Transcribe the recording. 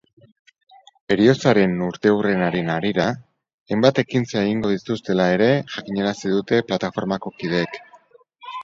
Heriotzaren urteurrenaren harira, hainbat ekintza egingo dituztela ere jakinarazi dute plataformako kideek.